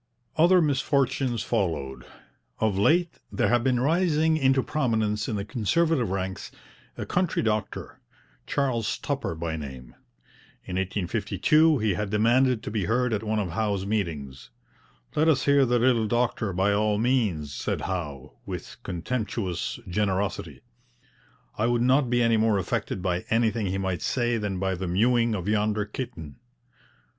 Other misfortunes followed. Of late there had been rising into prominence in the Conservative ranks a country doctor, Charles Tupper by name. In 1852 he had demanded to be heard at one of Howe's meetings. 'Let us hear the little doctor by all means,' said Howe, with contemptuous generosity. 'I would not be any more affected by anything he might say than by the mewing of yonder kitten.'